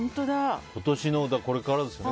今年のこれからですね。